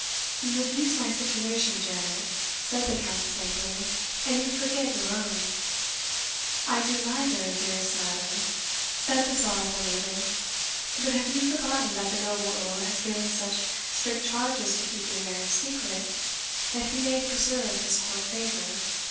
"You abuse my situation, Janet," said the Countess, angrily, "and you forget your own." "I do neither, dearest madam," said the sorrowful maiden; "but have you forgotten that the noble Earl has given such strict charges to keep your marriage secret, that he may preserve his court favour?